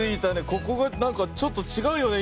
ここがなんかちょっとちがうよね